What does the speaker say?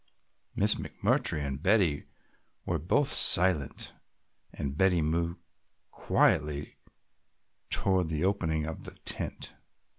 Miss McMurtry and, Betty were both silent and Betty moved quietly toward the opening of the tent.